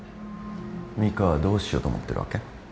ミカはどうしようと思ってるわけ？